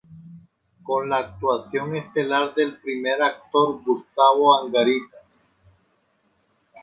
Con la actuación estelar del primer actor Gustavo Angarita.